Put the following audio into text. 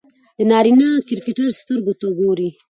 د نارينه کرکټر سترګو ته ګوري